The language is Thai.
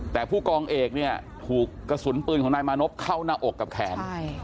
แต่ผู้กองเอกเนี่ยถูกกระสุนปืนของนายมานพเข้าหน้าอกกับแขน